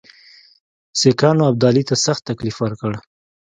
سیکهانو ابدالي ته سخت تکلیف ورکړ.